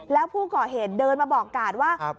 แล้วผู้ก่อเหตุเดินมาบอกกาดว่า